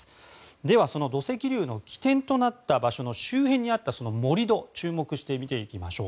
では、土石流の起点となった場所の周辺にあった盛り土に注目してみていきましょう。